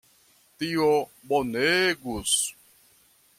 Tio bonegus!